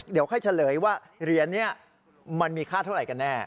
เดี๋ยวค่อยเฉลยว่าเหรียญนี้มันมีค่าเท่าไหร่กันแน่